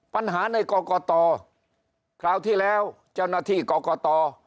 ปัญหาในกรกตคราวที่แล้วเจ้าหน้าที่กรกต